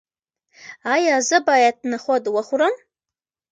ایا زه باید نخود وخورم؟